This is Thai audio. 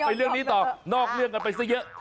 เรื่องนี้ต่อนอกเรื่องกันไปซะเยอะ